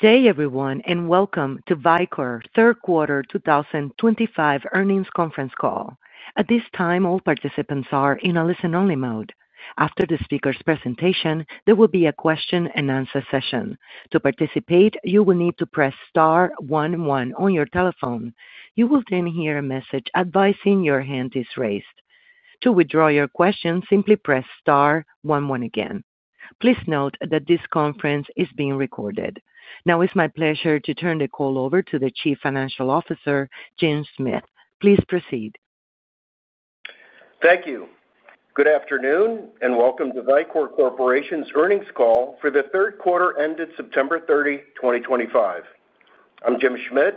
Good day, everyone, and welcome to Vicor's third quarter 2025 earnings conference call. At this time, all participants are in a listen-only mode. After the speaker's presentation, there will be a question and answer session. To participate, you will need to press star one one on your telephone. You will then hear a message advising your hand is raised. To withdraw your question, simply press star one one again. Please note that this conference is being recorded. Now, it's my pleasure to turn the call over to the Chief Financial Officer, James Schmidt. Please proceed. Thank you. Good afternoon and welcome to Vicor Corporation's earnings call for the third quarter ended September 30, 2025. I'm James Schmidt,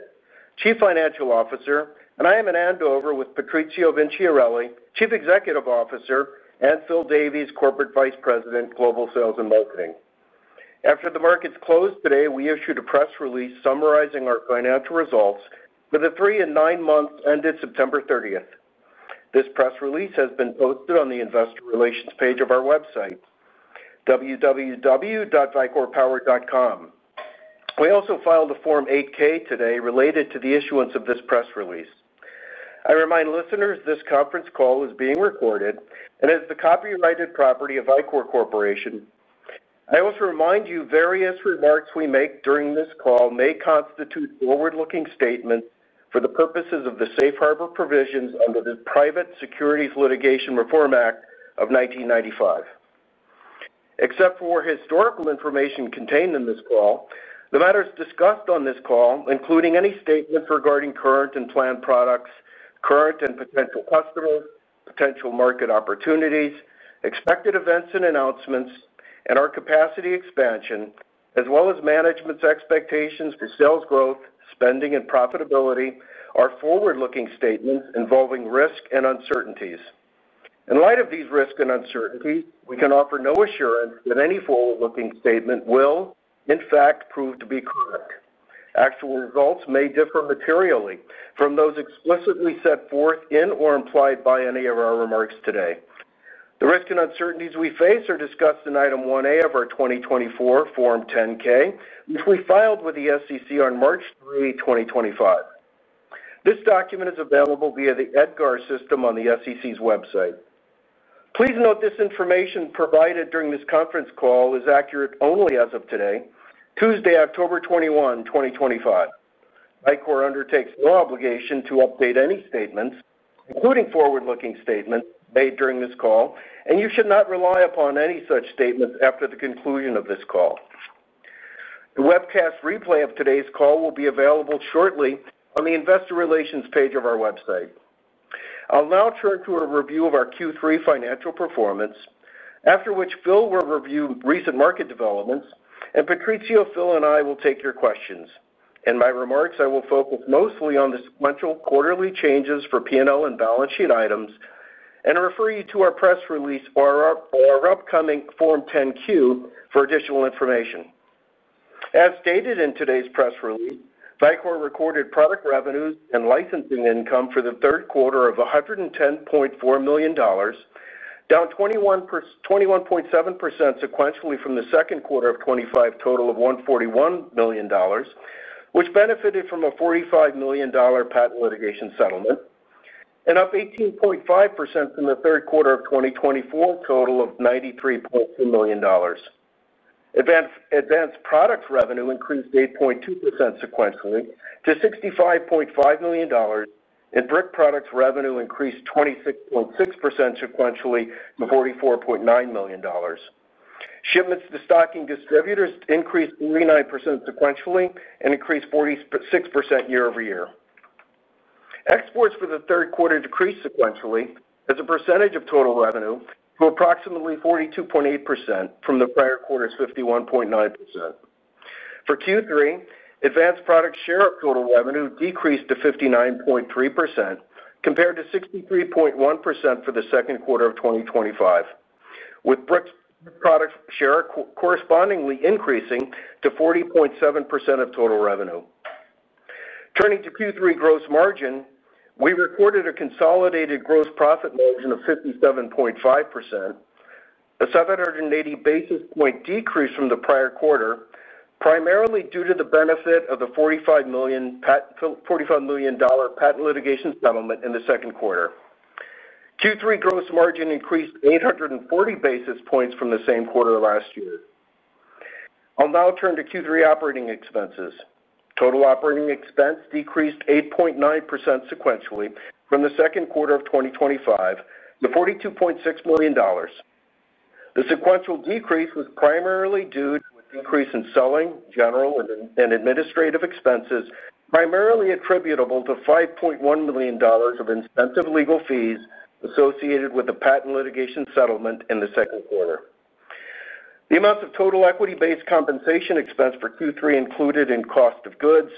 Chief Financial Officer, and I am in Andover with Patrizio Vinciarelli, Chief Executive Officer, and Phil Davies, Corporate Vice President of Global Sales and Marketing. After the markets closed today, we issued a press release summarizing our financial results for the three and nine months ended September 30, 2025. This press release has been posted on the Investor Relations page of our website, www.vicorpower.com. We also filed a Form 8-K today related to the issuance of this press release. I remind listeners this conference call is being recorded and is the copyrighted property of Vicor Corporation. I also remind you various remarks we make during this call may constitute forward-looking statements for the purposes of the Safe Harbor provisions under the Private Securities Litigation Reform Act of 1995. Except for historical information contained in this call, the matters discussed on this call, including any statements regarding current and planned products, current and potential customers, potential market opportunities, expected events and announcements, and our capacity expansion, as well as management's expectations for sales growth, spending, and profitability, are forward-looking statements involving risk and uncertainties. In light of these risks and uncertainties, we can offer no assurance that any forward-looking statement will, in fact, prove to be correct. Actual results may differ materially from those explicitly set forth in or implied by any of our remarks today. The risk and uncertainties we face are discussed in item 1A of our 2024 Form 10-K, which we filed with the SEC on March 3, 2025. This document is available via the EDGAR system on the SEC's website. Please note this information provided during this conference call is accurate only as of today, Tuesday, October 21, 2025. Vicor undertakes no obligation to update any statements, including forward-looking statements made during this call, and you should not rely upon any such statements after the conclusion of this call. The webcast replay of today's call will be available shortly on the Investor Relations page of our website. I'll now turn to a review of our Q3 financial performance, after which Phil will review recent market developments, and Patrizio, Phil, and I will take your questions. In my remarks, I will focus mostly on the sequential quarterly changes for P&L and balance sheet items, and refer you to our press release or our upcoming Form 10-Q for additional information. As stated in today's press release, Vicor recorded product revenues and licensing income for the third quarter of $110.4 million, down 21.7% sequentially from the second quarter of 2025, total of $141 million, which benefited from a $45 million patent litigation settlement, and up 18.5% from the third quarter of 2024, total of $93.2 million. Advanced product revenue increased 8.2% sequentially to $65.5 million, and brick product revenue increased 26.6% sequentially to $44.9 million. Shipments to stocking distributors increased 39% sequentially and increased 46% year-over-year. Exports for the third quarter decreased sequentially as a percentage of total revenue to approximately 42.8% from the prior quarter's 51.9%. For Q3, advanced product share of total revenue decreased to 59.3% compared to 63.1% for the second quarter of 2025, with brick product share correspondingly increasing to 40.7% of total revenue. Turning to Q3 gross margin, we recorded a consolidated gross profit margin of 57.5%, a 780 basis point decrease from the prior quarter, primarily due to the benefit of the $45 million patent litigation settlement in the second quarter. Q3 gross margin increased 840 basis points from the same quarter last year. I'll now turn to Q3 operating expenses. Total operating expense decreased 8.9% sequentially from the second quarter of 2025 to $42.6 million. The sequential decrease was primarily due to a decrease in selling, general, and administrative expenses, primarily attributable to $5.1 million of incentive legal fees associated with the patent litigation settlement in the second quarter. The amounts of total equity-based compensation expense for Q3 included in cost of goods,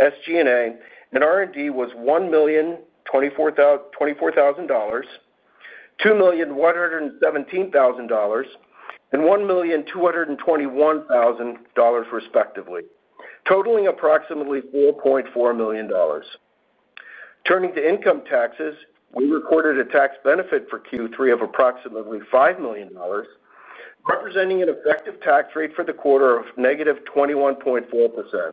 SG&A, and R&D was $1,024,000, $2,117,000, and $1,221,000, respectively, totaling approximately $4.4 million. Turning to income taxes, we recorded a tax benefit for Q3 of approximately $5 million, representing an effective tax rate for the quarter of -21.4%.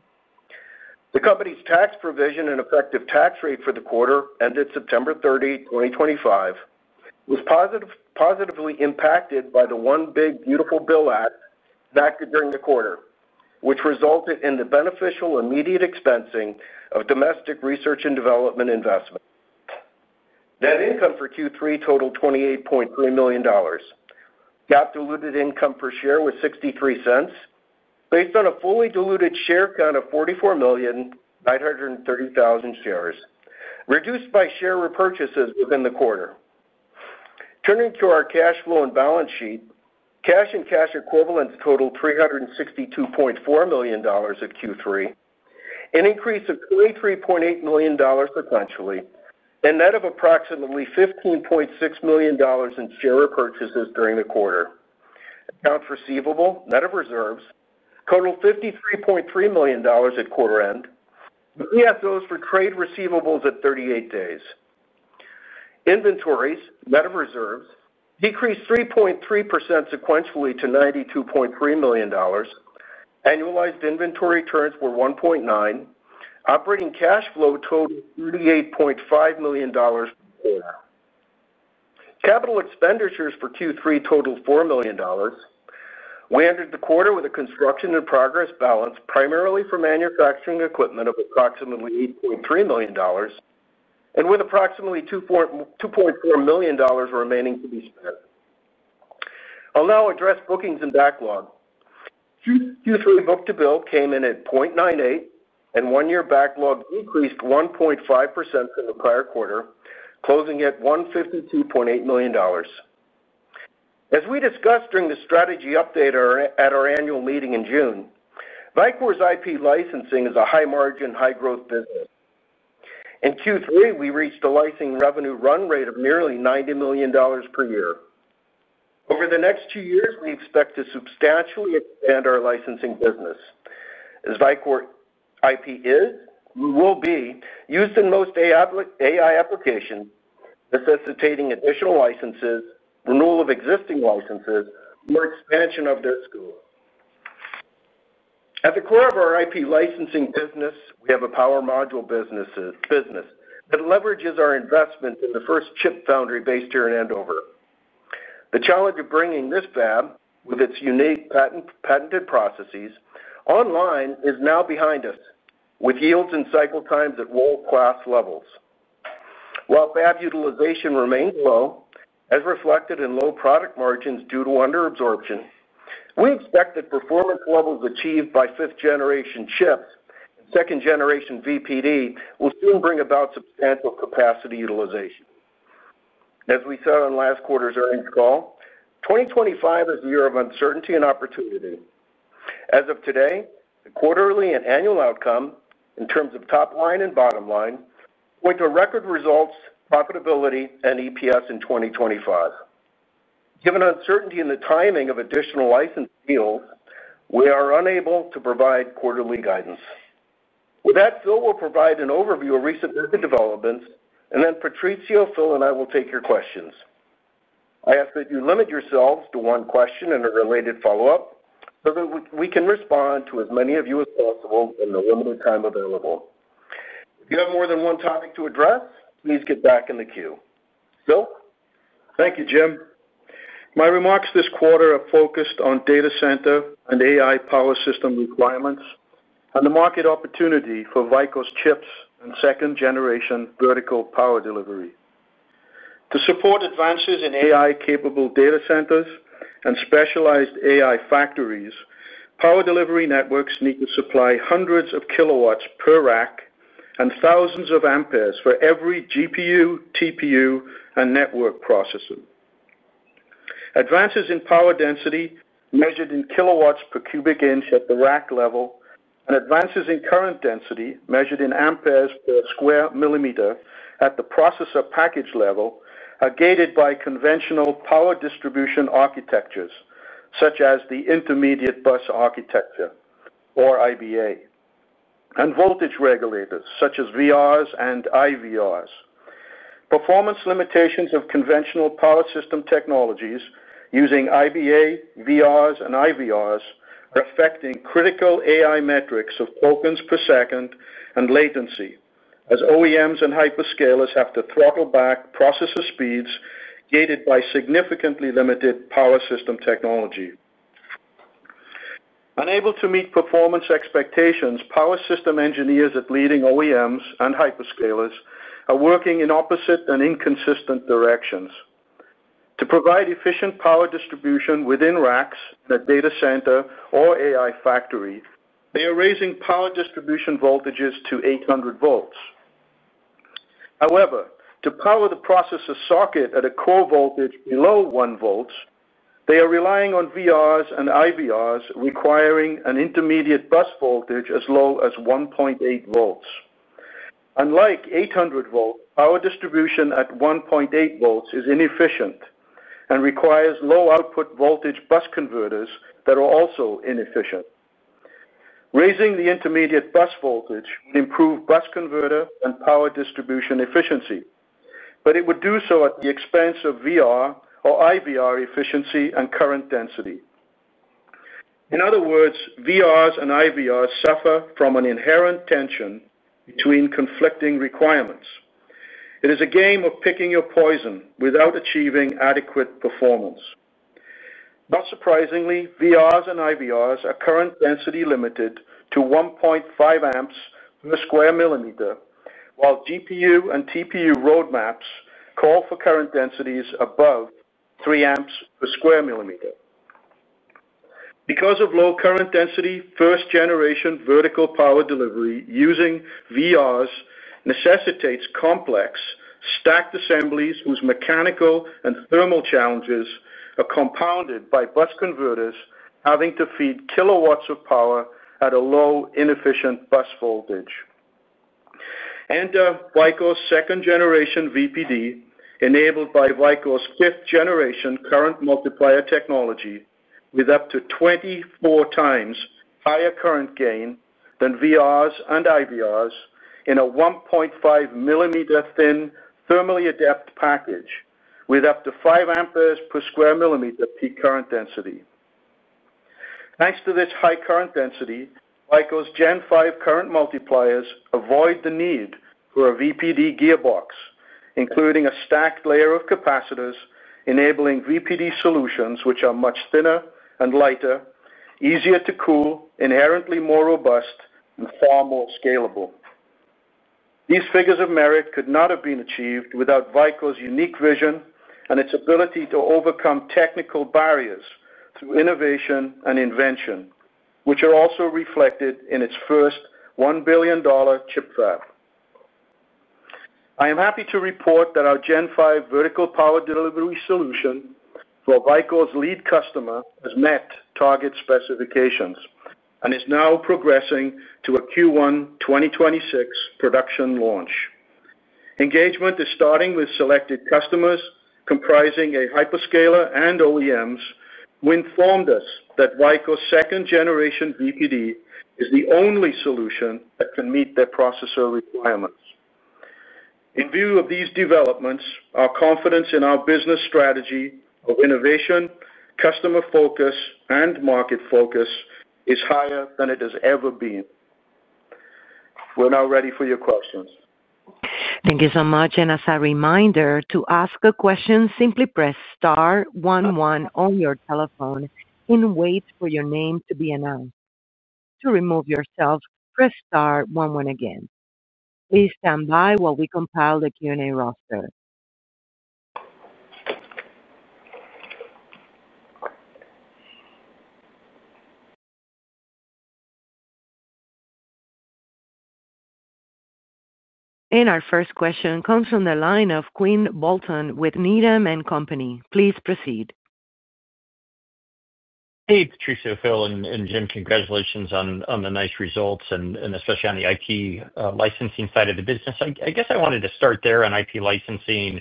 The company's tax provision and effective tax rate for the quarter ended September 30, 2025, was positively impacted by the One Big Beautiful Bill Act enacted during the quarter, which resulted in the beneficial immediate expensing of domestic research and development investment. Net income for Q3 totaled $28.3 million. GAAP-diluted income per share was $0.63, based on a fully diluted share count of 44,930,000 shares, reduced by share repurchases within the quarter. Turning to our cash flow and balance sheet, cash and cash equivalents totaled $362.4 million at Q3, an increase of $23.8 million sequentially, and that of approximately $15.6 million in share repurchases during the quarter. Accounts receivable, net of reserves, totaled $53.3 million at quarter end, with DSOs for trade receivables at 38 days. Inventories, net of reserves, decreased 3.3% sequentially to $92.3 million. Annualized inventory turns were 1.9x. Operating cash flow totaled $38.5 million per quarter. Capital expenditures for Q3 totaled $4 million. We ended the quarter with a construction in progress balance primarily for manufacturing equipment of approximately $8.3 million and with approximately $2.4 million remaining to be spent. I'll now address bookings and backlog. Q3 book-to-bill came in at 0.98x, and one-year backlog increased 1.5% from the prior quarter, closing at $152.8 million. As we discussed during the strategy update at our annual meeting in June, Vicor's IP licensing is a high-margin, high-growth business. In Q3, we reached a licensing revenue run rate of nearly $90 million per year. Over the next two years, we expect to substantially expand our licensing business, as Vicor IP is, and will be used in most AI applications, necessitating additional licenses, renewal of existing licenses, or expansion of their scope. At the core of our IP licensing business, we have a power module business that leverages our investment in the first chip fab based here in Andover. The challenge of bringing this fab, with its unique patented processes, online, is now behind us, with yields and cycle times at world-class levels. While fab utilization remains low, as reflected in low product margins due to underabsorption, we expect that performance levels achieved by fifth-generation chips and Second-Generation VPD will soon bring about substantial capacity utilization. As we said on last quarter's earnings call, 2025 is a year of uncertainty and opportunity. As of today, the quarterly and annual outcome, in terms of top line and bottom line, point to record results, profitability, and EPS in 2025. Given uncertainty in the timing of additional license deals, we are unable to provide quarterly guidance. With that, Phil will provide an overview of recent market developments, and then Patrizio, Phil, and I will take your questions. I ask that you limit yourselves to one question and a related follow-up so that we can respond to as many of you as possible in the limited time available. If you have more than one topic to address, please get back in the queue. Phil? Thank you, Jim. My remarks this quarter are focused on data center and AI power system requirements and the market opportunity for Vicor's chips and second-generation vertical power delivery. To support advances in AI-capable data centers and specialized AI factories, power delivery networks need to supply hundreds of kilowatts per rack and thousands of A for every GPU, TPU, and network processor. Advances in power density, measured in kilowatts per cubic inch at the rack level, and advances in current density, measured in A per square mm at the processor package level, are gated by conventional power distribution architectures, such as the intermediate bus architecture, or IBA, and voltage regulators, such as VRs and IVRs. Performance limitations of conventional power system technologies using IBA, VRs, and IVRs are affecting critical AI metrics of tokens per second and latency, as OEMs and hyperscalers have to throttle back processor speeds gated by significantly limited power system technology. Unable to meet performance expectations, power system engineers at leading OEMs and hyperscalers are working in opposite and inconsistent directions. To provide efficient power distribution within racks in a data center or AI factory, they are raising power distribution voltages to 800 V. However, to power the processor socket at a core voltage below 1 V, they are relying on VRs and IVRs, requiring an intermediate bus voltage as low as 1.8 V. Unlike 800 V, power distribution at 1.8 V is inefficient and requires low-output voltage bus converters that are also inefficient. Raising the intermediate bus voltage would improve bus converter and power distribution efficiency, but it would do so at the expense of VR or IVR efficiency and current density. In other words, VRs and IVRs suffer from an inherent tension between conflicting requirements. It is a game of picking your poison without achieving adequate performance. Not surprisingly, VRs and IVRs are current density limited to 1.5 A per square mm, while GPU and TPU roadmaps call for current densities above 3 A per square mm. Because of low current density, first-generation vertical power delivery using VRs necessitates complex stacked assemblies whose mechanical and thermal challenges are compounded by bus converters having to feed kilowatts of power at a low, inefficient bus voltage. Vicor's Second-Generation VPD, enabled by Vicor's fifth-generation current multiplier technology, with up to 24 times higher current gain than VRs and IVRs in a 1.5 mm thin thermally adept package with up to 5 A per square mm peak current density. Thanks to this high current density, Vicor's Gen 5 current multipliers avoid the need for a VPD gearbox, including a stacked layer of capacitors enabling VPD solutions which are much thinner and lighter, easier to cool, inherently more robust, and far more scalable. These figures of merit could not have been achieved without Vicor's unique vision and its ability to overcome technical barriers through innovation and invention, which are also reflected in its first $1 billion chip fab. I am happy to report that our Gen 5 vertical power delivery solution for Vicor's lead customer has met target specifications and is now progressing to a Q1 2026 production launch. Engagement is starting with selected customers comprising a hyperscaler and OEMs who informed us that Vicor's Second-Generation VPD is the only solution that can meet their processor requirements. In view of these developments, our confidence in our business strategy of innovation, customer focus, and market focus is higher than it has ever been. We're now ready for your questions. Thank you so much. As a reminder, to ask a question, simply press star one one on your telephone and wait for your name to be announced. To remove yourself, press star one one again. Please stand by while we compile the Q&A roster. Our first question comes from the line of Quinn Bolton with Needham & Company. Please proceed. Hey, Patrizio, Phil, and Jim, congratulations on the nice results and especially on the IP licensing side of the business. I guess I wanted to start there on IP licensing.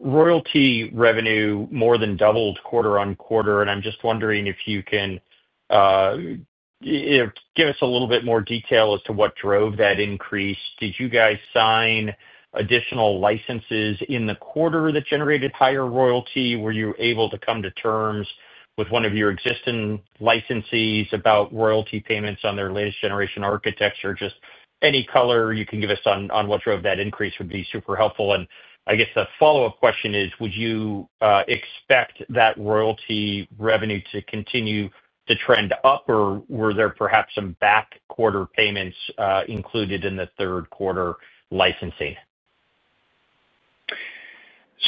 Royalty revenue more than doubled quarter on quarter, and I'm just wondering if you can give us a little bit more detail as to what drove that increase. Did you guys sign additional licenses in the quarter that generated higher royalty? Were you able to come to terms with one of your existing licensees about royalty payments on their latest generation architecture? Any color you can give us on what drove that increase would be super helpful. I guess the follow-up question is, would you expect that royalty revenue to continue to trend up, or were there perhaps some back quarter payments included in the third quarter licensing?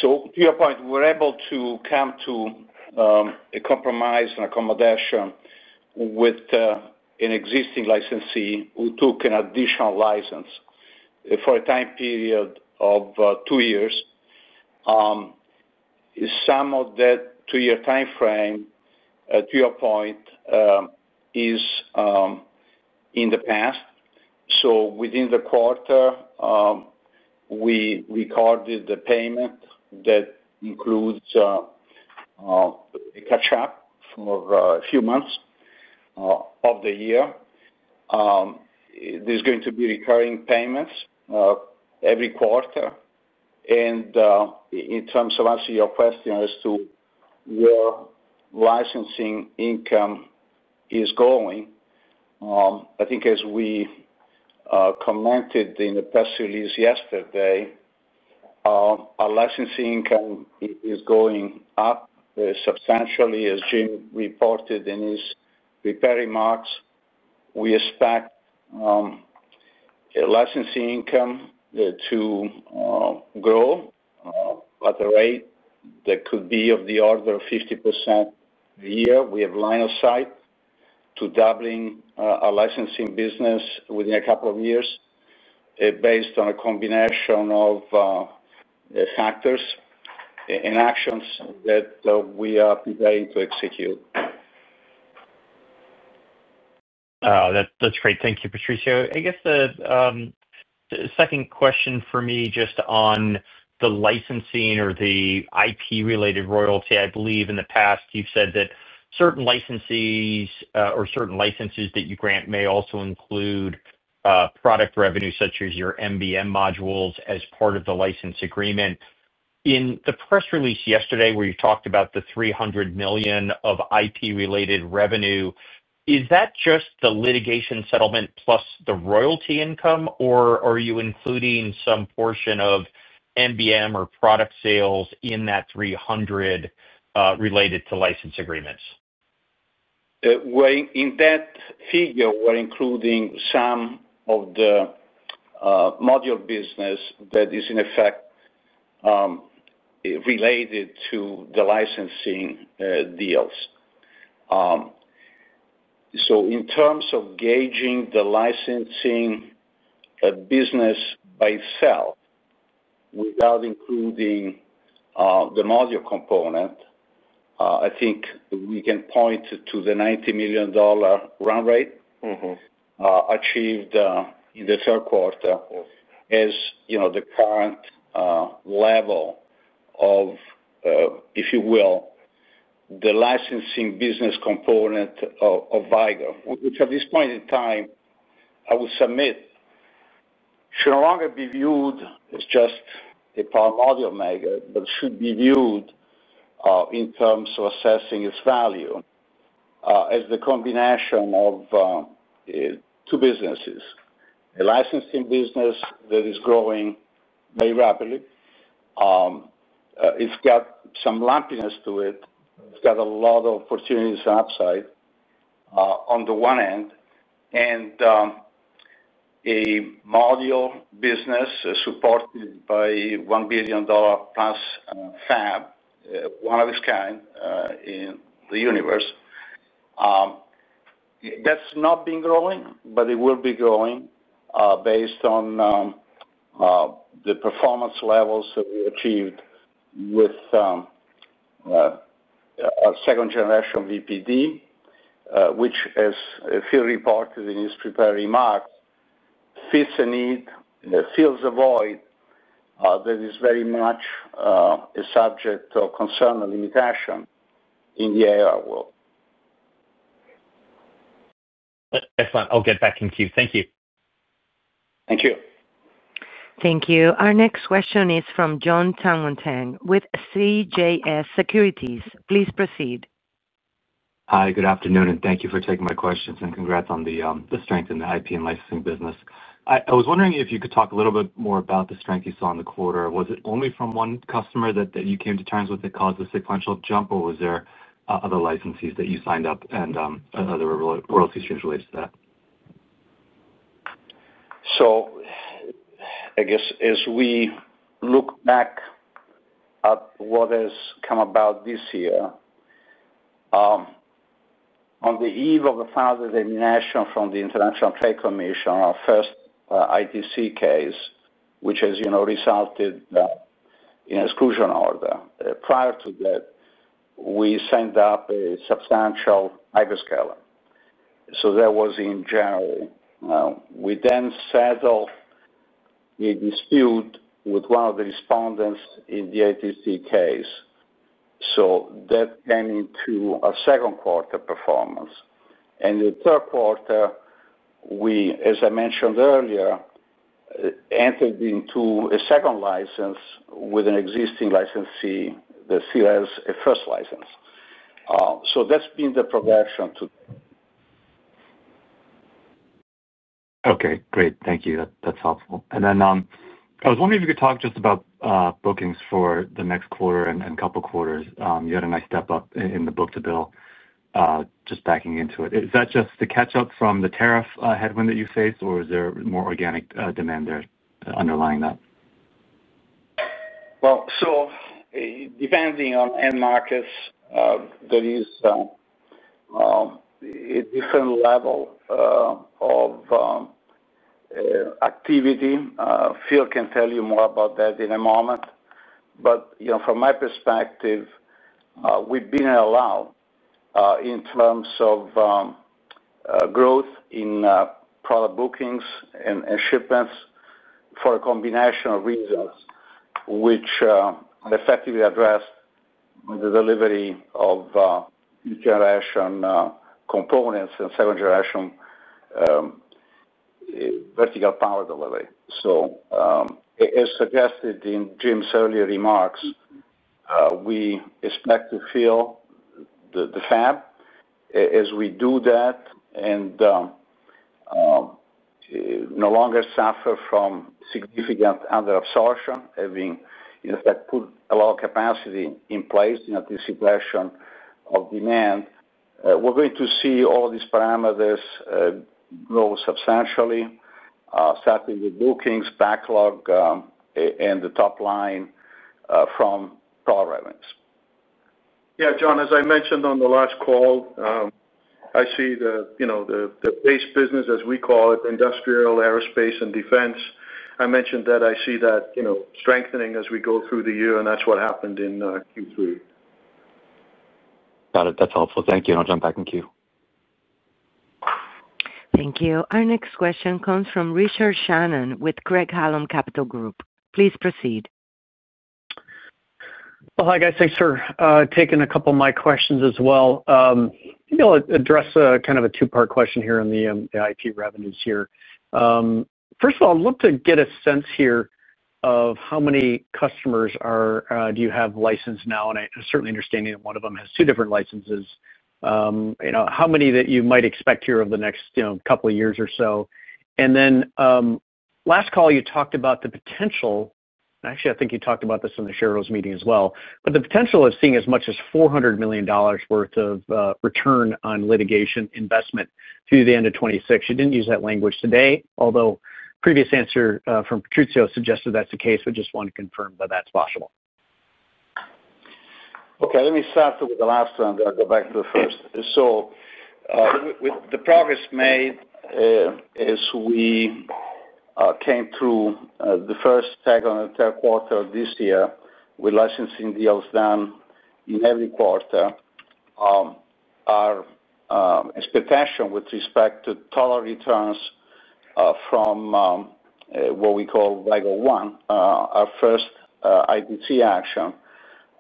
To your point, we were able to come to a compromise and accommodation with an existing licensee who took an additional license for a time period of two years. Some of that two-year timeframe, to your point, is in the past. Within the quarter, we recorded the payment that includes a catch-up for a few months of the year. There are going to be recurring payments every quarter. In terms of answering your question as to where licensing income is going, I think as we commented in the press release yesterday, our licensing income is going up substantially. As Jim reported in his prepared remarks, we expect licensing income to grow at a rate that could be of the order of 50% a year. We have line of sight to doubling our licensing business within a couple of years based on a combination of factors and actions that we are preparing to execute. Oh, that's great. Thank you, Patrizio. I guess the second question for me just on the licensing or the IP-related royalty. I believe in the past you've said that certain licensees or certain licenses that you grant may also include product revenue such as your MBM modules as part of the license agreement. In the press release yesterday where you talked about the $300 million of IP-related revenue, is that just the litigation settlement plus the royalty income, or are you including some portion of MBM or product sales in that $300 million related to license agreements? In that figure, we're including some of the module business that is in effect related to the licensing deals. In terms of gauging the licensing business by itself without including the module component, I think we can point to the $90 million run rate achieved in the third quarter as the current level of, if you will, the licensing business component of Vicor, which at this point in time, I would submit, should no longer be viewed as just a power module maker, but should be viewed in terms of assessing its value as the combination of two businesses, a licensing business that is growing very rapidly. It's got some lumpiness to it. It's got a lot of opportunities and upside on the one end, and a module business supported by a $1 billion+ FAB, one of its kind in the universe, that's not been growing, but it will be growing based on the performance levels that we achieved with our Second-Generation VPD, which, as Phil reported in his prepared remarks, fits a need, fills a void that is very much a subject of concern and limitation in the AI world. Excellent. I'll get back in queue. Thank you. Thank you. Thank you. Our next question is from Jon Tanwanteng with CJS Securities. Please proceed. Hi. Good afternoon, and thank you for taking my questions, and congrats on the strength in the IP and licensing business. I was wondering if you could talk a little bit more about the strength you saw in the quarter. Was it only from one customer that you came to terms with that caused a sequential jump, or were there other licensees that you signed up and other royalty streams related to that? As we look back at what has come about this year, on the eve of the final determination from the International Trade Commission, our first ITC case has resulted in an exclusion order. Prior to that, we signed up a substantial hyperscaler in January. We then settled a dispute with one of the respondents in the ITC case, which came into our second quarter performance. In the third quarter, as I mentioned earlier, we entered into a second license with an existing licensee that still has a first license. That's been the progression to. Okay. Great. Thank you. That's helpful. I was wondering if you could talk just about bookings for the next quarter and a couple of quarters. You had a nice step up in the book-to-bill, just backing into it. Is that just the catch-up from the tariff headwind that you faced, or is there more organic demand there underlying that? Depending on the markets, there is a different level of activity. Phil can tell you more about that in a moment. From my perspective, we've been allowed in terms of growth in product bookings and shipments for a combination of reasons, which are effectively addressed with the delivery of new generation components and second-generation vertical power delivery. As suggested in Jim's earlier remarks, we expect to fill the fab as we do that and no longer suffer from significant underabsorption, having in effect put a lot of capacity in place in anticipation of demand. We're going to see all of these parameters grow substantially, starting with bookings, backlog, and the top line from power revenues. Yeah, John, as I mentioned on the last call, I see the base business, as we call it, industrial, aerospace, and defense. I mentioned that I see that strengthening as we go through the year, and that's what happened in Q3. Got it. That's helpful. Thank you. I'll jump back in queue. Thank you. Our next question comes from Richard Shannon with Craig-Hallum Capital Group. Please proceed. Like I said, sir, taking a couple of my questions as well, I'll address kind of a two-part question here on the IP revenues. First of all, I'd love to get a sense of how many customers you have licensed now. I certainly understand that one of them has two different licenses. Do you know how many you might expect over the next couple of years or so? Last call, you talked about the potential, and actually, I think you talked about this in the shareholders' meeting as well, but the potential of seeing as much as $400 million worth of return on litigation investment through the end of 2026. You didn't use that language today, although the previous answer from Patrizio suggested that's the case. I just want to confirm that that's possible. Okay. Let me start with the last one, then I'll go back to the first. With the progress made as we came through the first tag on the third quarter of this year with licensing deals done in every quarter, our expectation with respect to total returns from what we call Vicor One, our first ITC action,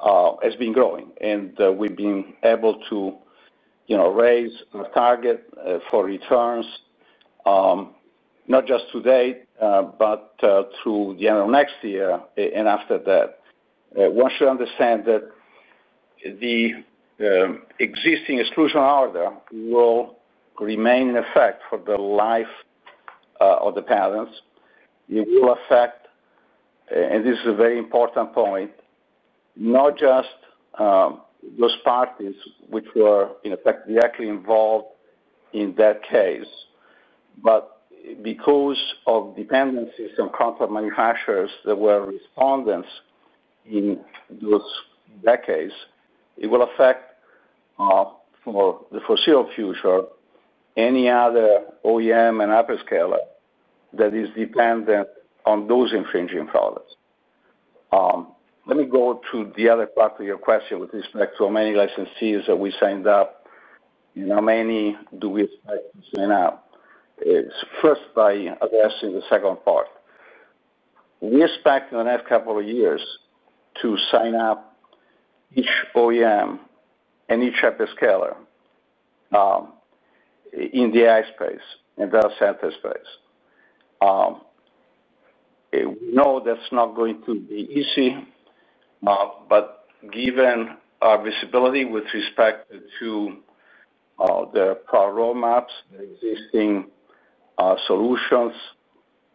has been growing. We've been able to raise our target for returns not just today, but through the end of next year and after that. One should understand that the existing exclusion order will remain in effect for the life of the patents. It will affect, and this is a very important point, not just those parties which were in effect directly involved in that case, but because of dependencies and contract manufacturers that were respondents in those decades, it will affect for the foreseeable future any other OEM and hyperscaler that is dependent on those infringing products. Let me go to the other part of your question with respect to how many licensees that we signed up and how many do we expect to sign up. It's first by addressing the second part. We expect in the next couple of years to sign up each OEM and each hyperscaler in the AI space and data center space. We know that's not going to be easy, but given our visibility with respect to their power roadmaps, their existing solutions,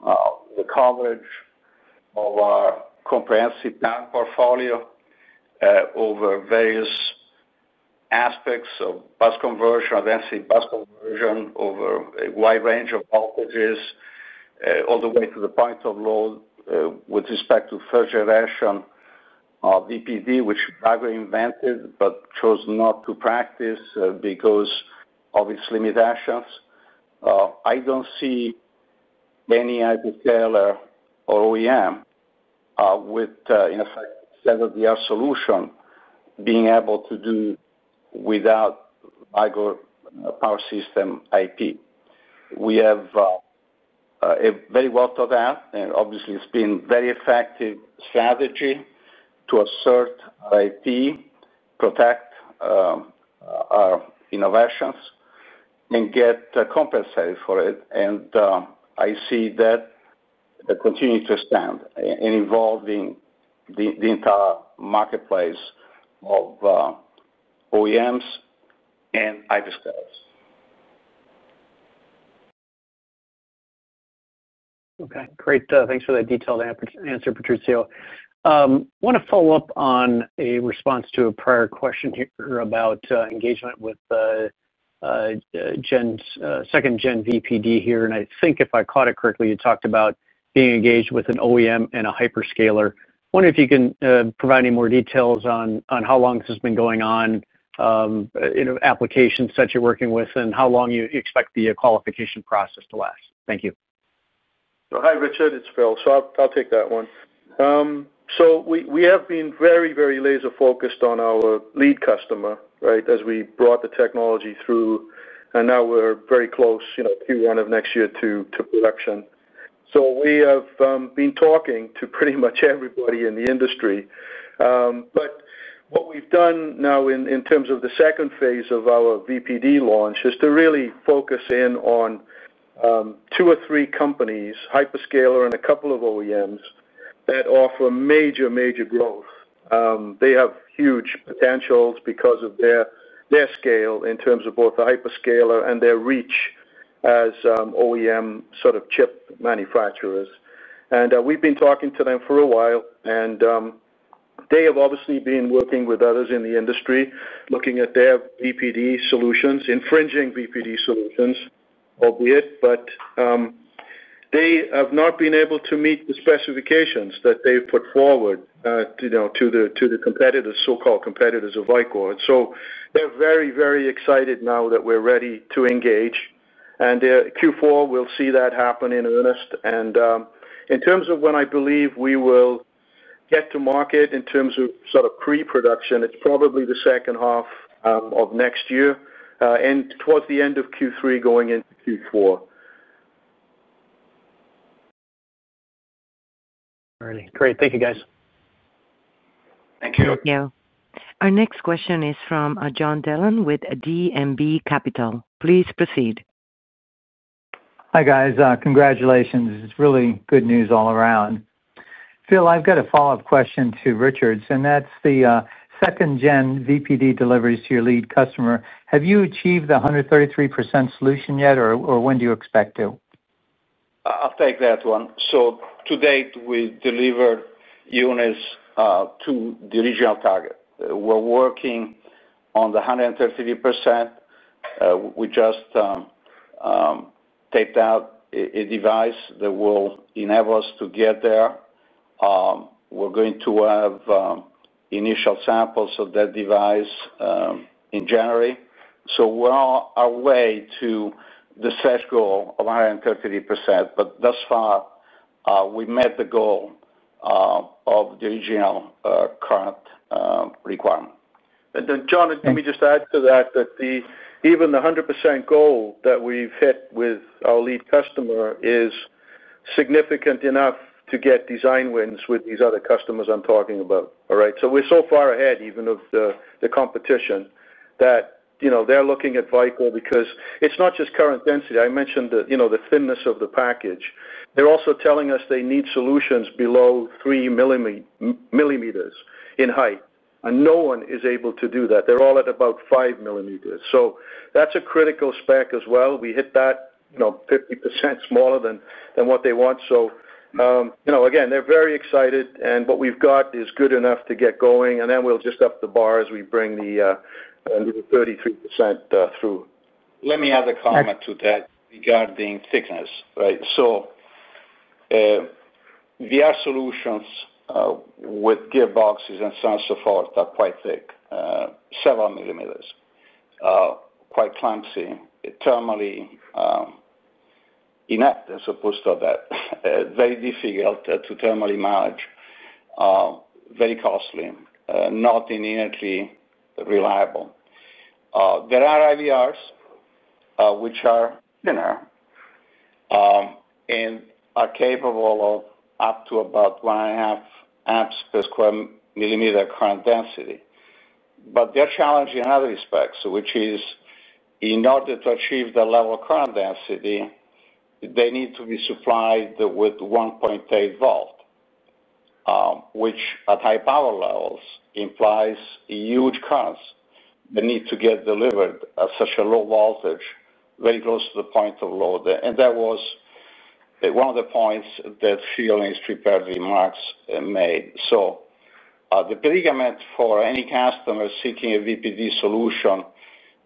the coverage of our comprehensive patent portfolio over various aspects of bus conversion, or density bus conversion over a wide range of voltages, all the way to the point of load with respect to first-generation VPD, which Vicor invented but chose not to practice because of its limitations. I don't see any hyperscaler or OEM with, in effect, a standard DR solution being able to do without Vicor Power System IP. We have a very well-thought-out and obviously it's been a very effective strategy to assert our IP, protect our innovations, and get compensated for it. I see that continuing to expand and involving the entire marketplace of OEMs and hyperscalers. Okay. Great. Thanks for that detailed answer, Patrizio. I want to follow up on a response to a prior question here about engagement with Second-Generation VPD here. I think if I caught it correctly, you talked about being engaged with an OEM and a hyperscaler. I wonder if you can provide any more details on how long this has been going on, applications that you're working with, and how long you expect the qualification process to last. Thank you. Hi, Richard. It's Phil. I'll take that one. We have been very, very laser-focused on our lead customer, right, as we brought the technology through. Now we're very close, you know, Q1 of next year to production. We have been talking to pretty much everybody in the industry. What we've done now in terms of the second phase of our VPD launch is to really focus in on two or three companies, hyperscaler and a couple of OEMs that offer major, major growth. They have huge potentials because of their scale in terms of both the hyperscaler and their reach as OEM sort of chip manufacturers. We've been talking to them for a while. They have obviously been working with others in the industry, looking at their VPD solutions, infringing VPD solutions, albeit. They have not been able to meet the specifications that they've put forward to the competitors, so-called competitors of Vicor. They're very, very excited now that we're ready to engage. Q4 will see that happen in earnest. In terms of when I believe we will get to market in terms of sort of pre-production, it's probably the second half of next year and towards the end of Q3, going into Q4. All righty. Great. Thank you, guys. Thank you. Our next question is from [John Dillon with D&B Capital]. Please proceed. Hi guys. Congratulations. It's really good news all around. Phil, I've got a follow-up question to Richard's, and that's the Second-Generation VPD deliveries to your lead customer. Have you achieved the 133% solution yet, or when do you expect to? I'll take that one. To date, we delivered units to the regional target. We're working on the 133%. We just taped out a device that will enable us to get there. We're going to have initial samples of that device in January. We're on our way to the set goal of 133%. Thus far, we met the goal of the regional current requirement. John, let me just add to that that even the 100% goal that we've hit with our lead customer is significant enough to get design wins with these other customers I'm talking about. We're so far ahead even of the competition that they're looking at Vicor because it's not just current density. I mentioned the thinness of the package. They're also telling us they need solutions below 3 mm in height, and no one is able to do that. They're all at about 5 mm. That's a critical spec as well. We hit that 50% smaller than what they want. They're very excited, and what we've got is good enough to get going. We'll just up the bar as we bring the 133% through. Let me add a comment to that regarding thickness, right? VR solutions with gearboxes and so on and so forth are quite thick, several millimeters, quite clumsy, thermally inept as opposed to that. Very difficult to thermally manage, very costly, not immediately reliable. There are IVRs, which are thinner and are capable of up to about 1.5 A per square mm current density. They're challenged in other respects, which is in order to achieve the level of current density, they need to be supplied with 1.8 V, which at high power levels implies huge currents that need to get delivered at such a low voltage, very close to the point of load. That was one of the points that Phil and his prepared remarks made. The predicament for any customer seeking a VPD solution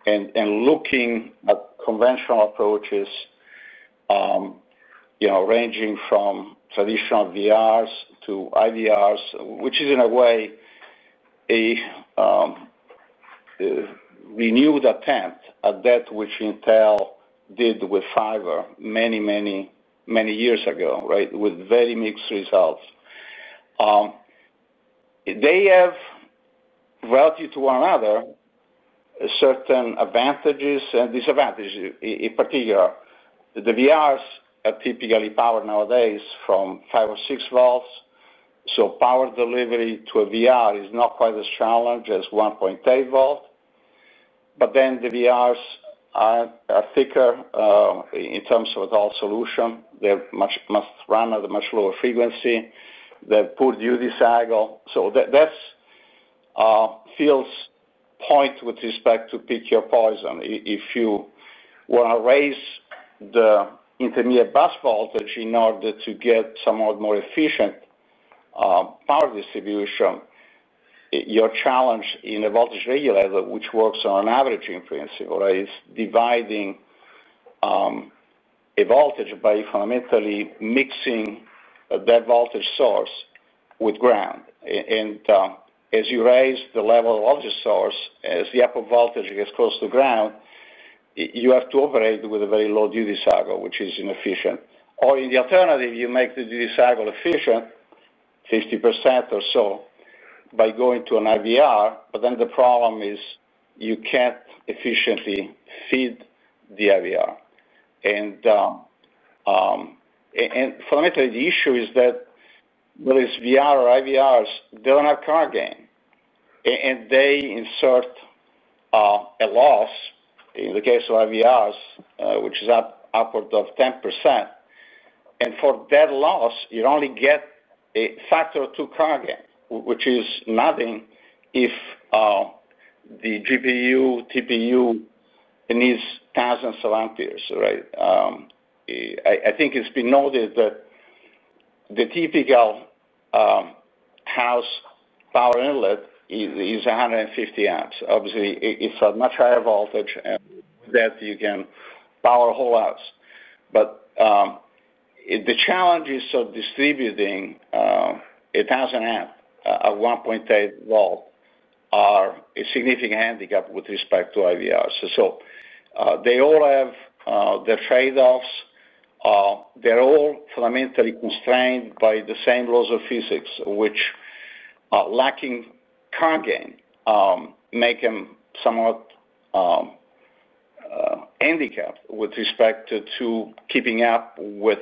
and looking at conventional approaches, ranging from traditional VRs to IVRs, which is in a way a renewed attempt at that which Intel did with FIVR many, many, many years ago, right, with very mixed results. They have, relative to one another, certain advantages and disadvantages. In particular, the VRs are typically powered nowadays from 5 V or 6 V. Power delivery to a VR is not quite as challenged as 1.8 V. The VRs are thicker in terms of a dull solution. They must run at a much lower frequency. They have poor duty cycle. That's Phil's point with respect to pick your poison. If you want to raise the intermediate bus voltage in order to get somewhat more efficient power distribution, your challenge in a voltage regulator, which works on an averaging principle, right, is dividing a voltage by fundamentally mixing that voltage source with ground. As you raise the level of the voltage source, as the upper voltage gets close to ground, you have to operate with a very low duty cycle, which is inefficient. In the alternative, you make the duty cycle efficient, 50% or so, by going to an IVR. The problem is you can't efficiently feed the IVR. Fundamentally, the issue is that whether it's VR or IVRs, they don't have cargain. They insert a loss in the case of IVRs, which is upwards of 10%. For that loss, you only get a factor of two cargain, which is nothing if the GPU, TPU needs thousands of amperes, right? I think it's been noted that the typical house power inlet is 150 A. Obviously, it's a much higher voltage and with that you can power whole houses. The challenges of distributing 1,000 A at 1.8 V are a significant handicap with respect to IVRs. They all have their trade-offs. They're all fundamentally constrained by the same laws of physics, which lacking cargain make them somewhat handicapped with respect to keeping up with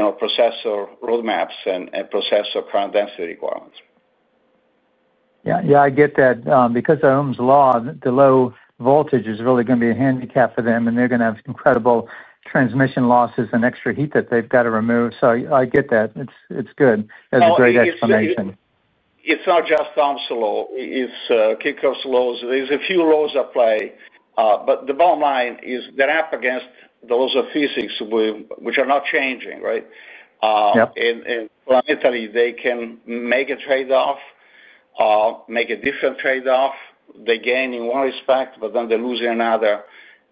processor roadmaps and processor current density requirements. Yeah, I get that. Because of Ohm's law, the low voltage is really going to be a handicap for them, and they're going to have incredible transmission losses and extra heat that they've got to remove. I get that. It's good. That's a great explanation. It's not just Ohm's law. It's Kirchhoff's laws. There are a few laws at play. The bottom line is they're up against the laws of physics, which are not changing, right? Fundamentally, they can make a trade-off, make a different trade-off. They gain in one respect, but then they lose in another.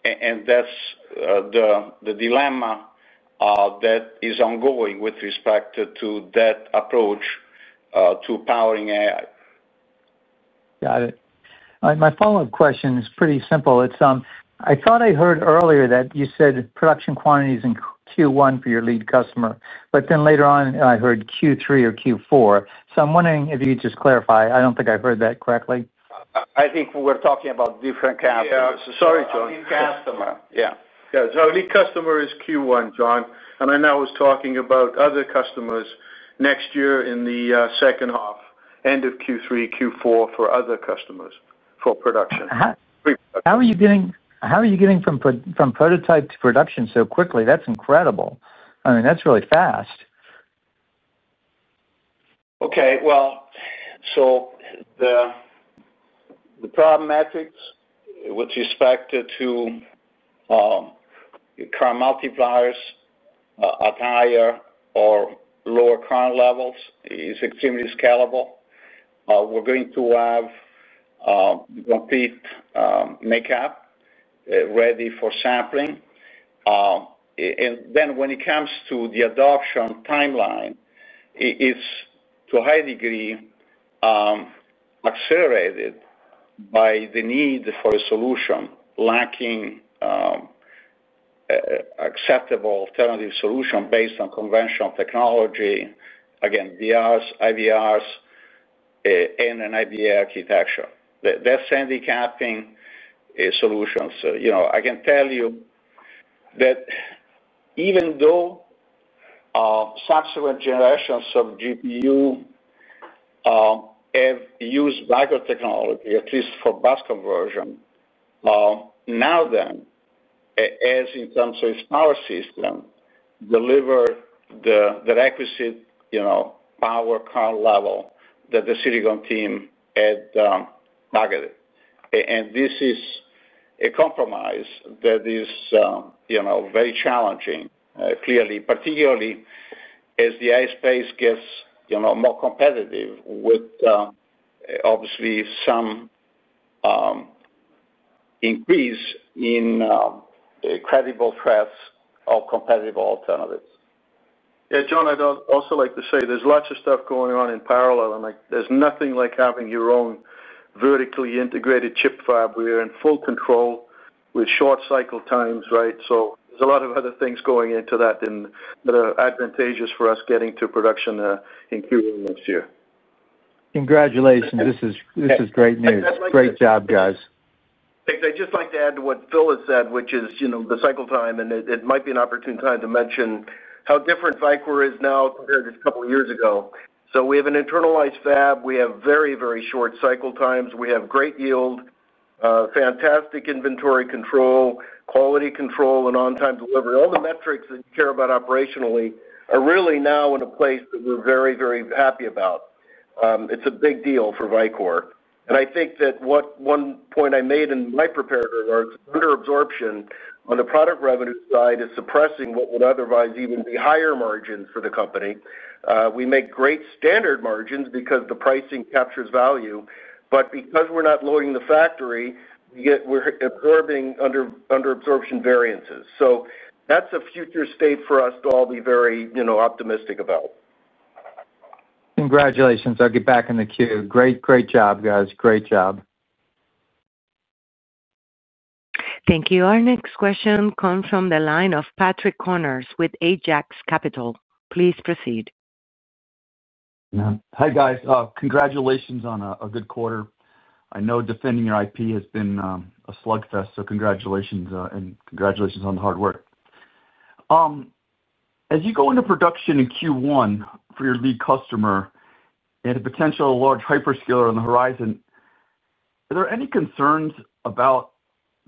That's the dilemma that is ongoing with respect to that approach to powering AI. Got it. My follow-up question is pretty simple. I thought I heard earlier that you said production quantities in Q1 for your lead customer, but then later on I heard Q3 or Q4. I'm wondering if you could just clarify. I don't think I heard that correctly. I think we were talking about different customers. Yeah, sorry, John. Different customer. Yeah. Our lead customer is Q1, John. I know I was talking about other customers next year in the second half, end of Q3, Q4 for other customers for production. How are you getting from prototype to production so quickly? That's incredible. I mean, that's really fast. The problematics with respect to current multipliers at higher or lower current levels is extremely scalable. We're going to have a complete makeup ready for sampling. When it comes to the adoption timeline, it's to a high degree accelerated by the need for a solution, lacking acceptable alternative solution based on conventional technology, again, VRs, IVRs, and an IBA architecture. That's handicapping solutions. I can tell you that even though subsequent generations of GPU have used Vicor technology, at least for bus conversion, none of them, as in terms of its power system, deliver the requisite power current level that the Silicon team had targeted. This is a compromise that is very challenging, clearly, particularly as the AI space gets more competitive with obviously some increase in credible threats of competitive alternatives. Yeah. John, I'd also like to say there's lots of stuff going on in parallel, and there's nothing like having your own vertically integrated chip fab where you're in full control with short cycle times, right? There's a lot of other things going into that that are advantageous for us getting to production in Q1 next year. Congratulations. This is great news. Great job, guys. Thanks. I'd just like to add to what Phil had said, which is the cycle time, and it might be an opportune time to mention how different Vicor is now compared to a couple of years ago. We have an internalized fab. We have very, very short cycle times. We have great yield, fantastic inventory control, quality control, and on-time delivery. All the metrics that you care about operationally are really now in a place that we're very, very happy about. It's a big deal for Vicor. I think that one point I made in my prepared remarks is under absorption on the product revenue side is suppressing what would otherwise even be higher margins for the company. We make great standard margins because the pricing captures value. Because we're not loading the factory, we're absorbing under absorption variances. That's a future state for us to all be very optimistic about. Congratulations. I'll get back in the queue. Great job, guys. Great job. Thank you. Our next question comes from the line of [Patrick Connors with Ajax Capital]. Please proceed. Hi guys. Congratulations on a good quarter. I know defending your IP has been a slugfest, so congratulations and congratulations on the hard work. As you go into production in Q1 for your lead customer and a potential large hyperscaler on the horizon, are there any concerns about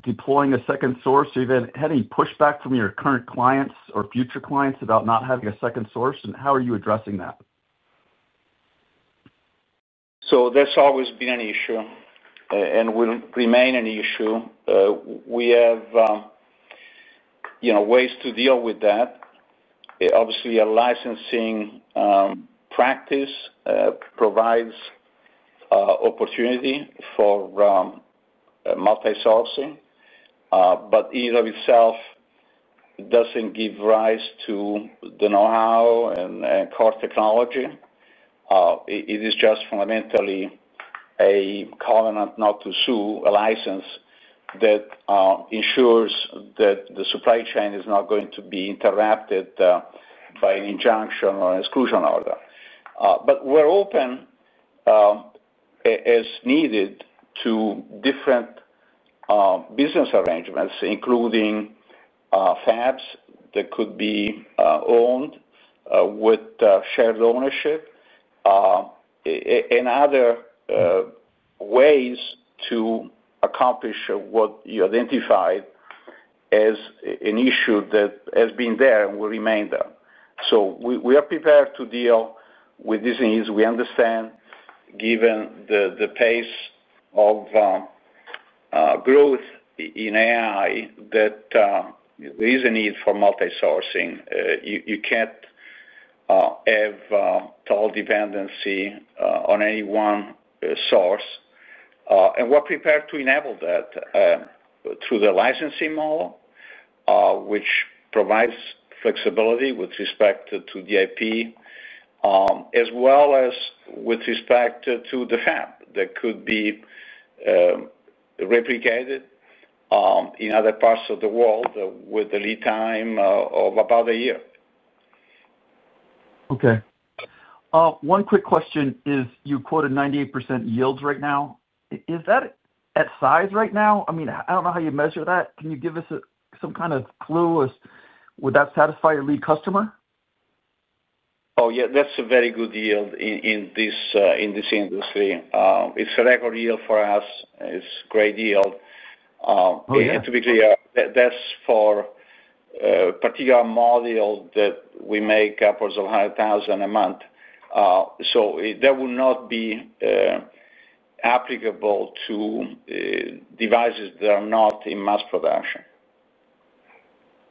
deploying a second source or even had any pushback from your current clients or future clients about not having a second source? How are you addressing that? That has always been an issue and will remain an issue. We have ways to deal with that. Obviously, a licensing practice provides opportunity for multi-sourcing, but in and of itself doesn't give rise to the know-how and core technology. It is just fundamentally a covenant not to sue, a license that ensures that the supply chain is not going to be interrupted by an injunction or an exclusion order. We are open as needed to different business arrangements, including FABs that could be owned with shared ownership and other ways to accomplish what you identified as an issue that has been there and will remain there. We are prepared to deal with these needs. We understand, given the pace of growth in AI, that there is a need for multi-sourcing. You can't have total dependency on any one source. We are prepared to enable that through the licensing model, which provides flexibility with respect to the IP, as well as with respect to the fab that could be replicated in other parts of the world with a lead time of about a year. Okay. One quick question is you quoted 98% yields right now. Is that at size right now? I mean, I don't know how you measure that. Can you give us some kind of clue? Would that satisfy your lead customer? Oh, yeah. That's a very good yield in this industry. It's a record yield for us. It's a great deal. To be clear, that's for a particular model that we make upwards of 100,000 a month. That will not be applicable to devices that are not in mass production.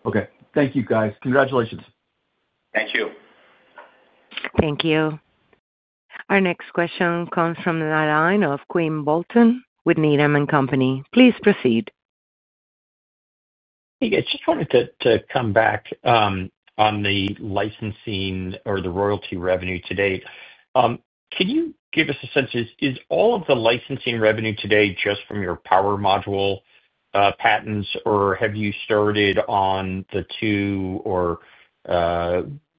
Okay, thank you, guys. Congratulations. Thank you. Thank you. Our next question comes from the line of Quinn Bolton with Needham & Company. Please proceed. Hey, guys. Just wanted to come back on the licensing or the royalty revenue to date. Can you give us a sense? Is all of the licensing revenue today just from your power module patents, or have you started on the two or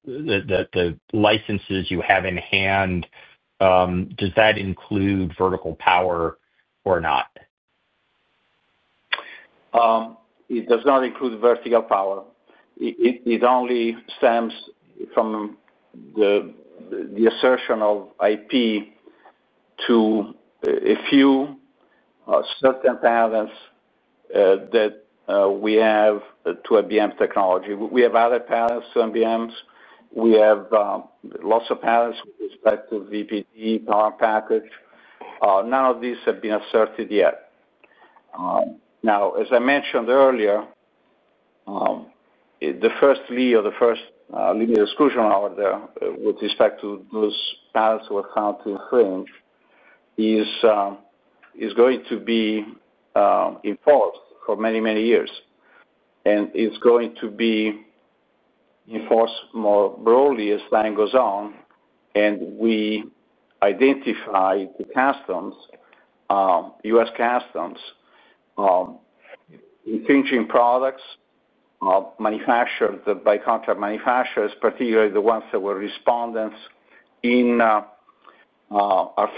the licenses you have in hand? Does that include vertical power or not? It does not include vertical power. It only stems from the assertion of IP to a few certain patents that we have to IBM technology. We have other patents to IBMs. We have lots of patents with respect to VPD power package. None of these have been asserted yet. As I mentioned earlier, the first lead or the first linear exclusion order with respect to those patents who are found to infringe is going to be enforced for many, many years. It's going to be enforced more broadly as time goes on. We identified the U.S. customs infringing products manufactured by contract manufacturers, particularly the ones that were respondents in our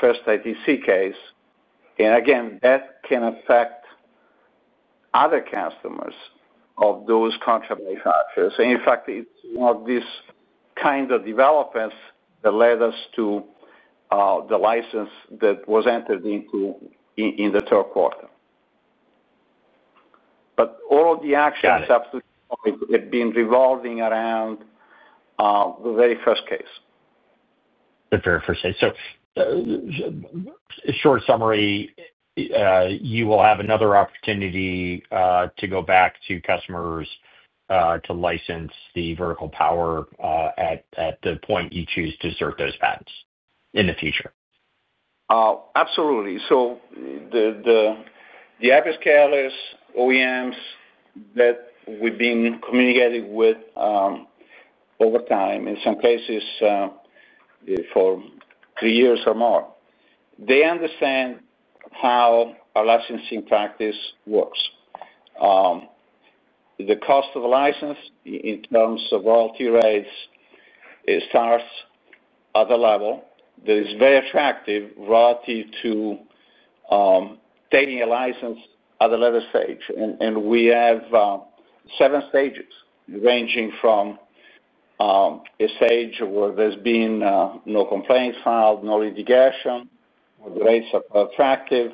first ITC case. That can affect other customers of those contract manufacturers. In fact, it's one of these kinds of developments that led us to the license that was entered into in the third quarter. All of the actions up to this point have been revolving around the very first case. The very first case. A short summary, you will have another opportunity to go back to customers to license the vertical power at the point you choose to assert those patents in the future. Absolutely. The hyperscalers, OEMs that we've been communicating with over time, in some cases for three years or more, understand how our licensing practice works. The cost of a license in terms of royalty rates starts at a level that is very attractive relative to taking a license at a later stage. We have seven stages, ranging from a stage where there's been no complaints filed, no litigation, or the rates are attractive,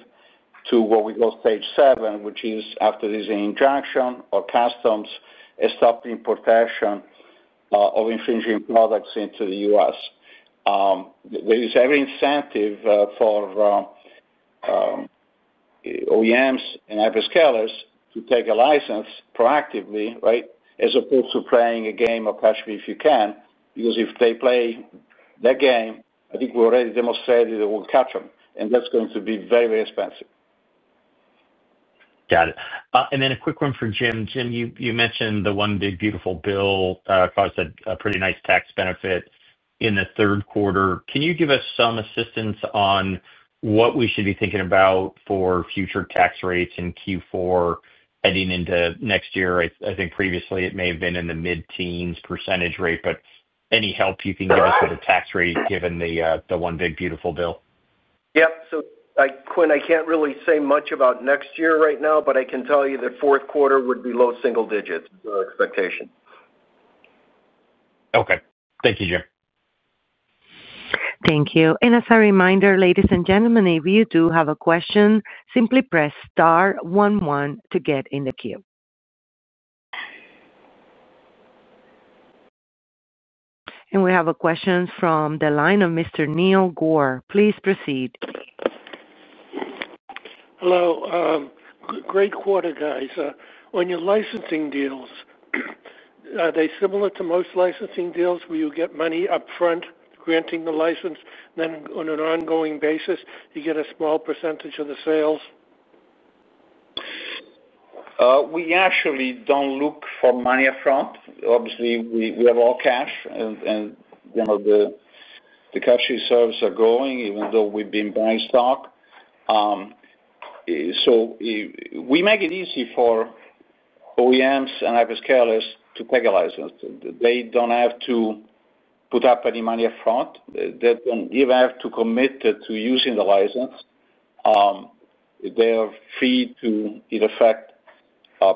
to what we call stage seven, which is after there's an injunction or customs stopped importation of infringing products into the U.S. There is every incentive for OEMs and hyperscalers to take a license proactively, right, as opposed to playing a game of catch me if you can. If they play that game, I think we already demonstrated that we'll catch them. That's going to be very, very expensive. Got it. A quick one for Jim. Jim, you mentioned the One Big Beautiful Bill caused a pretty nice tax benefit in the third quarter. Can you give us some assistance on what we should be thinking about for future tax rates in Q4 heading into next year? I think previously it may have been in the mid-teens % rate, but any help you can give us with the tax rate given the One Big Beautiful Bill? Yeah. Quinn, I can't really say much about next year right now, but I can tell you the fourth quarter would be low single digits of expectation. Okay. Thank you, Jim. Thank you. As a reminder, ladies and gentlemen, if you do have a question, simply press star one one to get in the queue. We have a question from the line of Mr. [Neil Gore]. Please proceed. Hello. Great quarter, guys. On your licensing deals, are they similar to most licensing deals where you get money upfront granting the license, and then on an ongoing basis, you get a small percentage of the sales? We actually don't look for money upfront. Obviously, we have all cash, and our cash reserves are growing even though we've been buying stock. We make it easy for OEMs and hyperscalers to take a license. They don't have to put up any money upfront. They don't even have to commit to using the license. They are free to, in effect,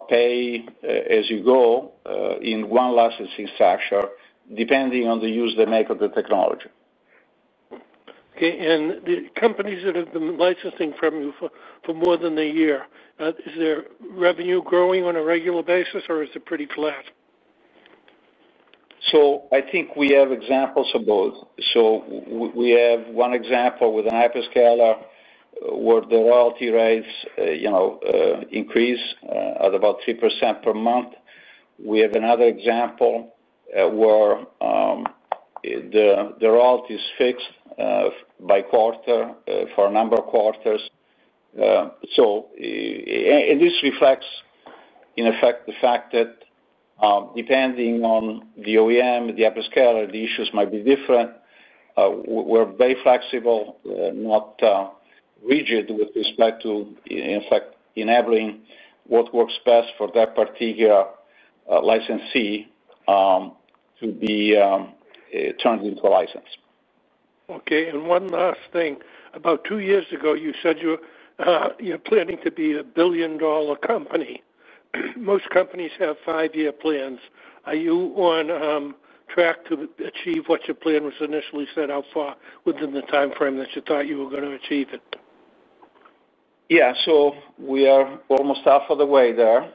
pay as you go in one licensing structure, depending on the use they make of the technology. The companies that have been licensing from you for more than a year, is their revenue growing on a regular basis, or is it pretty flat? We have examples of both. We have one example with a hyperscaler where the royalty rates increase at about 3% per month. We have another example where the royalty is fixed by quarter for a number of quarters. This reflects, in effect, the fact that depending on the OEM and the hyperscaler, the issues might be different. We're very flexible, not rigid with respect to, in fact, enabling what works best for that particular licensee to be turned into a license. Okay. One last thing. About two years ago, you said you're planning to be a billion-dollar company. Most companies have five-year plans. Are you on track to achieve what your plan was initially set out for within the timeframe that you thought you were going to achieve it? Yeah. We are almost half of the way there.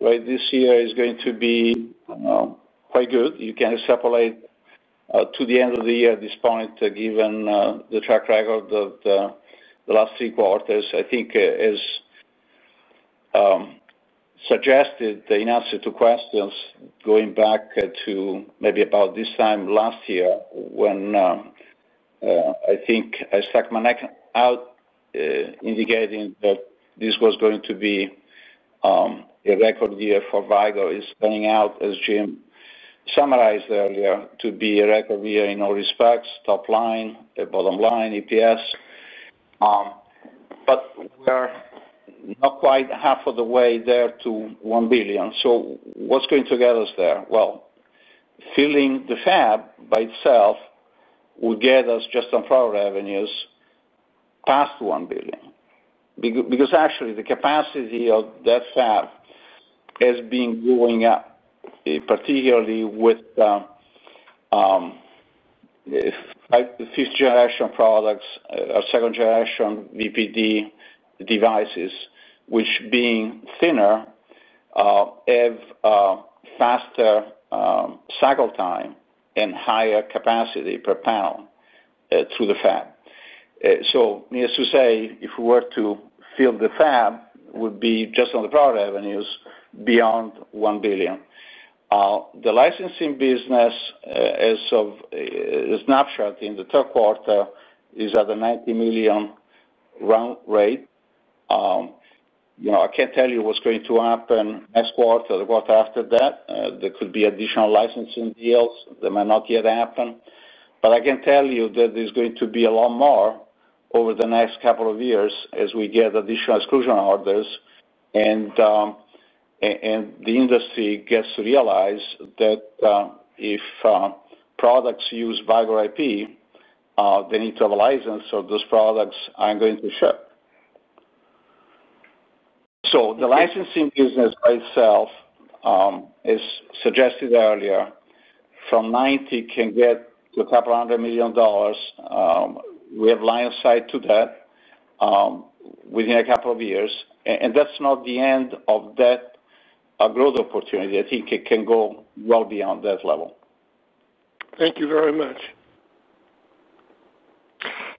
This year is going to be quite good. You can extrapolate to the end of the year at this point, given the track record of the last three quarters. I think, as suggested in answer to questions, going back to maybe about this time last year when I think I stuck my neck out indicating that this was going to be a record year for Vicor. It's turning out, as Jim summarized earlier, to be a record year in all respects: top line, bottom line, EPS. We are not quite half of the way there to $1 billion. What's going to get us there? Filling the fab by itself will get us just on power revenues past $1 billion. Actually, the capacity of that fab has been going up, particularly with fifth-generation products or Second-Generation VPD devices, which being thinner have faster cycle time and higher capacity per panel through the fab. Needless to say, if we were to fill the fab, it would be just on the power revenues beyond $1 billion. The licensing business, as of the snapshot in the third quarter, is at a $90 million run rate. I can't tell you what's going to happen next quarter or the quarter after that. There could be additional licensing deals that might not yet happen. I can tell you that there's going to be a lot more over the next couple of years as we get additional exclusion orders and the industry gets to realize that if products use Vicor IP, they need to have a license for those products I'm going to share. The licensing business by itself, as suggested earlier, from $90 million can get to a couple hundred million dollars. We have line of sight to that within a couple of years. That's not the end of that growth opportunity. I think it can go well beyond that level. Thank you very much.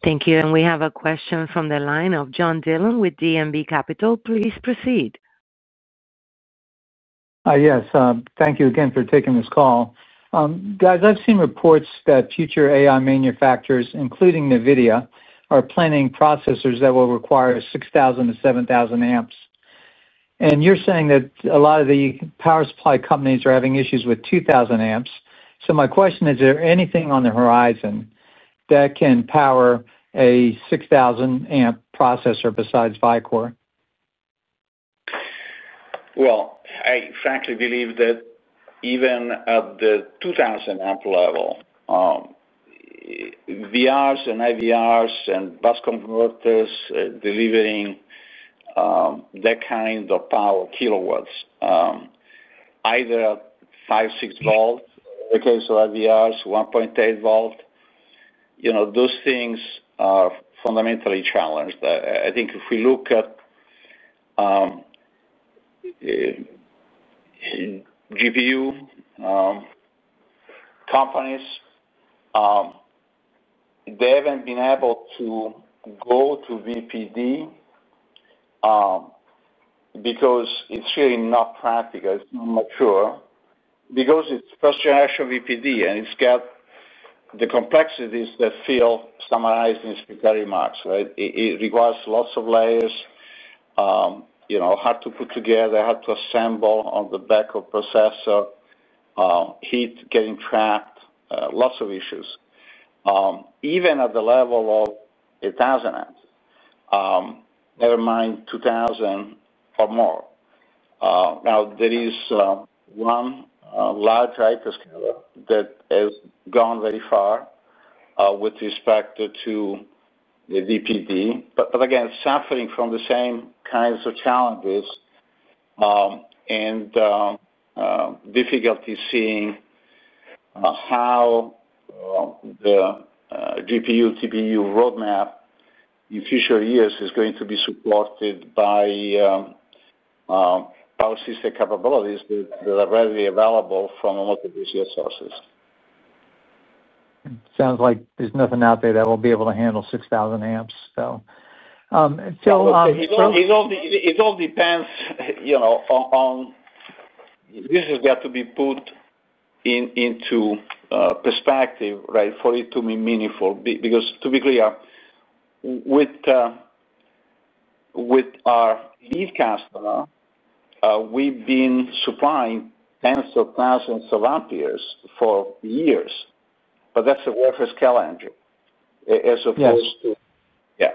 Thank you. We have a question from the line of [John Dillon with D&B Capital]. Please proceed. Hi. Yes. Thank you again for taking this call. Guys, I've seen reports that future AI manufacturers, including NVIDIA, are planning processors that will require 6,000 A-7,000 A. You're saying that a lot of the power supply companies are having issues with 2,000 A. My question is, is there anything on the horizon that can power a 6,000 A processor besides Vicor? I frankly believe that even at the 2,000 A level, VRs and IVRs and bus converters delivering that kind of power, kilowatts, either at five, six V in the case of IVRs, 1.8 V. Those things are fundamentally challenged. I think if we look at GPU companies, they haven't been able to go to VPD because it's really not practical. It's not mature because it's first-generation VPD and it's got the complexities that Phil summarized in his prepared remarks, right? It requires lots of layers, you know, hard to put together, hard to assemble on the back of processor, heat getting trapped, lots of issues. Even at the level of 1,000 A, never mind 2,000 A or more. There is one large hyperscaler that has gone very far with respect to the VPD. Again, it's suffering from the same kinds of challenges and difficulty seeing how the GPU/TPU roadmap in future years is going to be supported by power system capabilities that are readily available from multiple resources. Sounds like there's nothing out there that will be able to handle 6,000 A. It all depends on this has got to be put into perspective, right, for it to be meaningful. Because to be clear, with our lead customer, we've been supplying tens of thousands of amperes for years. That's a Wafer Scale Engine as opposed to. Yeah.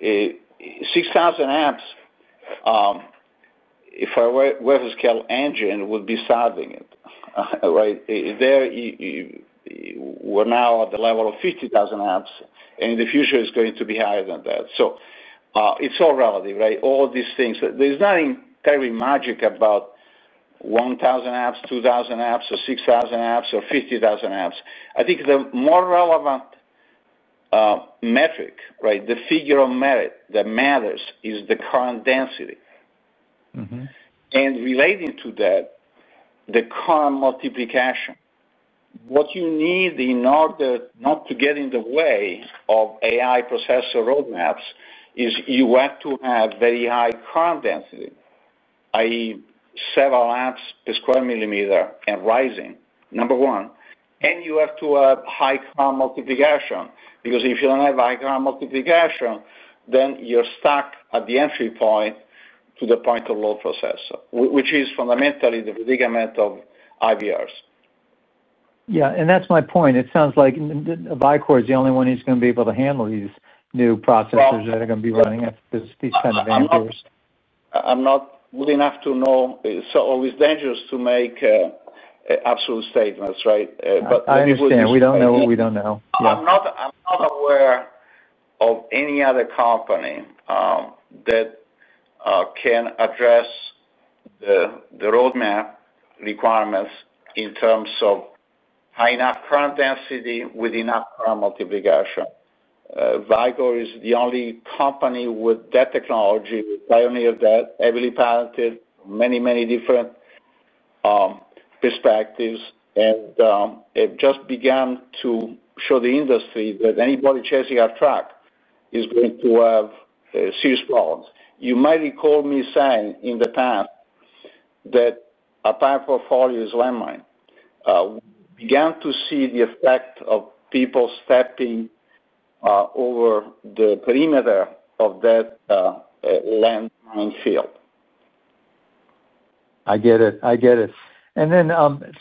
Yeah. 6,000 A, if our Wafer Scale Engine would be solving it, right? We're now at the level of 50,000 A, and in the future, it's going to be higher than that. It's all relative, right? All of these things. There's nothing terribly magic about 1,000 A, 2,000 A, or 6,000 A, or 50,000 A. I think the more relevant metric, the figure of merit that matters, is the current density. Relating to that, the current multiplication. What you need in order not to get in the way of AI processor roadmaps is you have to have very high current density, i.e., several A per square mm and rising, number one. You have to have high current multiplication because if you don't have high current multiplication, then you're stuck at the entry point to the point of low processor, which is fundamentally the predicament of IVRs. Yeah, that's my point. It sounds like Vicor is the only one who's going to be able to handle these new processors that are going to be running at these kinds of amperes. I'm not good enough to know. It's always dangerous to make absolute statements, right? I understand. We don't know what we don't know. I'm not aware of any other company that can address the roadmap requirements in terms of high enough current density with enough current multiplication. Vicor is the only company with that technology, with pioneers that heavily patented many, many different perspectives. It just began to show the industry that anybody chasing our track is going to have serious problems. You might recall me saying in the past that our patent portfolio is a landmine. We began to see the effect of people stepping over the perimeter of that landmine field. I get it. I get it.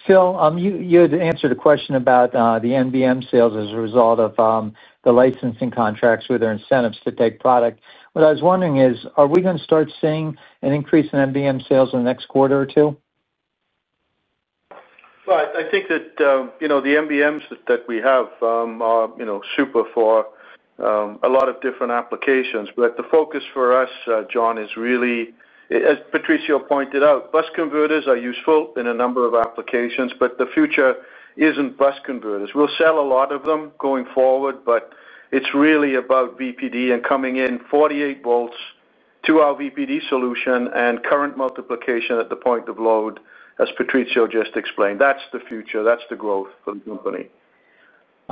Phil, you had answered a question about the NBM sales as a result of the licensing contracts with their incentives to take product. What I was wondering is, are we going to start seeing an increase in NBM sales in the next quarter or two? I think that you know the NBMs that we have are super for a lot of different applications. The focus for us, John, is really, as Patrizio pointed out, bus converters are useful in a number of applications, but the future isn't bus converters. We'll sell a lot of them going forward, but it's really about VPD and coming in 48 V to our VPD solution and current multiplication at the point of load, as Patrizio just explained. That's the future. That's the growth for the company.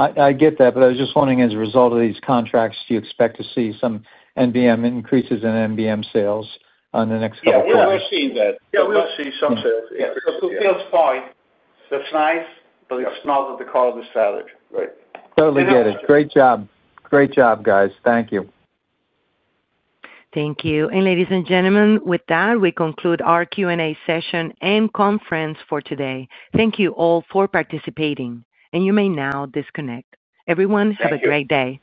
I get that. I was just wondering, as a result of these contracts, do you expect to see some NBM increases in NBM sales in the next couple of quarters? Yeah, we're seeing that. Yeah, we'll see some sales. Yeah, because who feels fine, that's nice, but it's not at the core of the strategy, right? Totally get it. Great job. Great job, guys. Thank you. Thank you. Ladies and gentlemen, with that, we conclude our Q&A session and conference for today. Thank you all for participating. You may now disconnect. Everyone, have a great day.